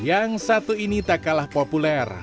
yang satu ini tak kalah populer